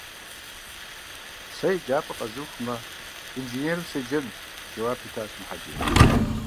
Сэ еджапӏэр къэзухмэ, инженеру седжэнущ, - жэуап итыжащ Мухьэдин.